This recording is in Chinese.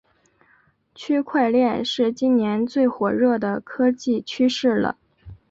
区块链是今年最火热的科技趋势了